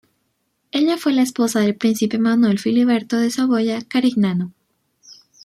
Ella fue la esposa del príncipe Manuel Filiberto de Saboya-Carignano.